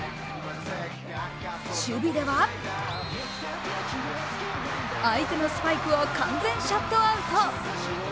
守備では相手のスパイクを完全シャットアウト。